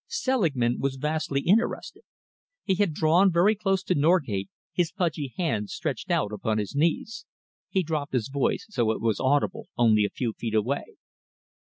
Selingman was vastly interested. He had drawn very close to Norgate, his pudgy hands stretched out upon his knees. He dropped his voice so that it was audible only a few feet away.